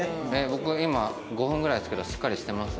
僕今５分ぐらいですけどしっかりしてます？